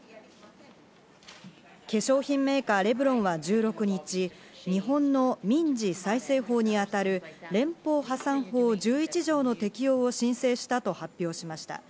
化粧品メーカー、レブロンは１６日、日本の民事再生法に当たる連邦破産法１１条の適用を申請したと発表しました。